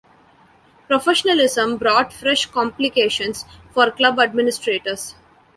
Professionalism brought fresh complications for club administrators.